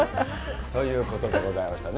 ということでございましたね。